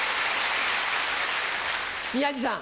宮治さん。